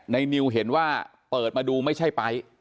นิวเห็นว่าเปิดมาดูไม่ใช่ไป๊